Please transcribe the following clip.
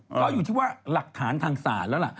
ก็อยู่ที่ว่าหลักฐานทางศาลแล้วล่ะ